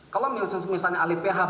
kalau misalnya ahli pihak